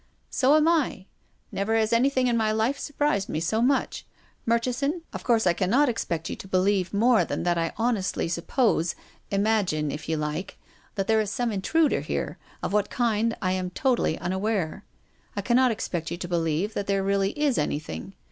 " So am I. Never has anything in my life sur prised me so much. Murchison, of course I can not expect you to believe more than that I hon estly suppose — imagine, if you like — that there is some intruder here, of what kind I am totally un aware. I cannot expect you to believe that there really is anything.